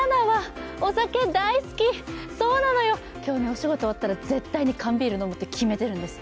そうなのよ、今日、お仕事終わったら絶対に缶ビール飲むって決めてるんです。